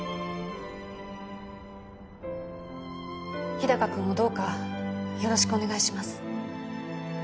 日高君をどうかよろしくお願いします